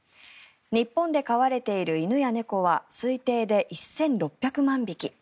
日本で飼われている犬や猫は推定で１６００万匹。